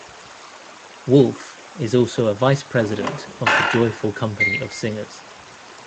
Woolf is also a Vice President of the Joyful Company of Singers.